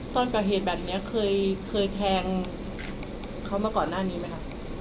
ตอนก่อเหตุแบบนี้เคยแทงเขามาก่อนหน้านี้ไหมคะ